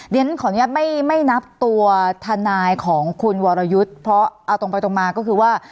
ขออนุญาตไม่นับตัวทนายของคุณวรยุทธ์เพราะเอาตรงไปตรงมาก็คือว่า